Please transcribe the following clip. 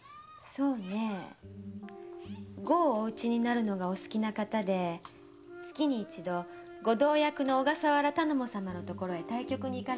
そうねえ碁をお打ちになるのがお好きな方で月に一度ご同役の小笠原頼母様のところへ対局に行かれるのよ。